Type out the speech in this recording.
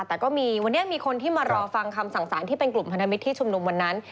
แต่ก็มีวันนี้มีคนที่มารอฟังคำสั่งสารที่เป็นกลุ่มพันธมิตรที่ชุมนุมวันนั้น